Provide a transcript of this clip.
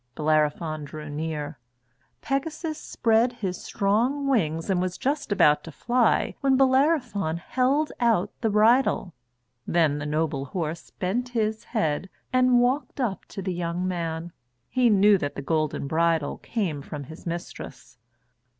Bellerophon drew near. Pegasus spread his strong wings and was just about to fly when Bellerophon held out the bridle. Then the noble horse bent his head and walked up to the young man. He knew that the golden bridle came from his mistress.